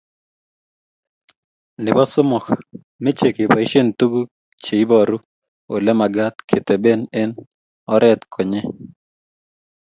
nebo somok, meche keboishen tuguk cheibaru olemagat ketebi eng oret komnyei